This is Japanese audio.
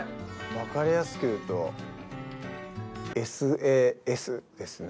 分かりやすく言うと。ですね。